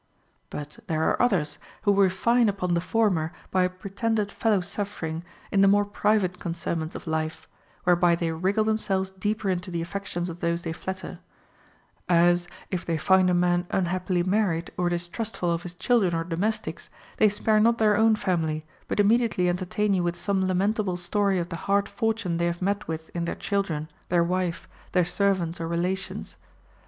But there are others who refine upon the former by a pretended fellow suffering in the more private concernments of life, whereby they wriggle themselves deeper into the affections of those they flatter ; as, if they find a man un happily married, or distrustful of his children or domestics, they spare not their own family, but immediately entertain you with some lamentable story of the hard fortune they have met with in their children, their wife, their servants, or relations.